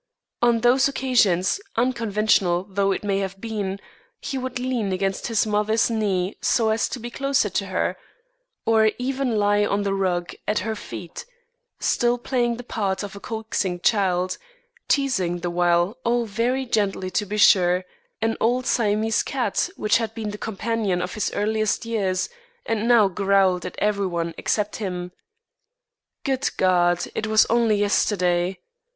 On those occasions, unconventional though it may have been, he would lean against his mother's knee so as to be closer to her, or even lie on the rug at her feet, still playing the part of a coaxing child, teasing the while oh, very gently, to be sure an old Siamese cat which had been the companion of his earliest years and now growled at everyone except him. Good God, it was only yesterday!